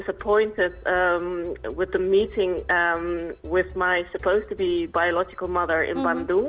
saya sangat mengecewakan dengan pertemuan dengan ibu biologi saya di bandung